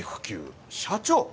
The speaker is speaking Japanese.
社長